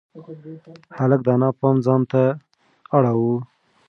هلک د انا پام ځان ته اړاوه.